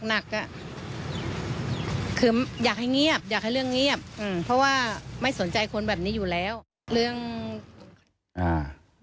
คืออยากให้เงียบอยากให้เรื่องเงียบอืมเพราะว่าไม่สนใจคนแบบนี้อยู่แล้ว